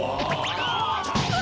あっ！